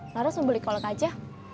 melaras mau beli kolok aja